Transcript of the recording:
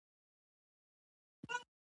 له خولې يې وبهېدې.